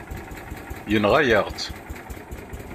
Yenɣa-yaɣ-tt.